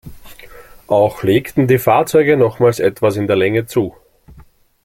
Auch legten die Fahrzeuge nochmals etwas in der Länge zu.